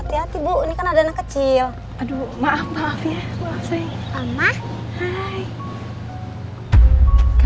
ini bukannya bursara ya pak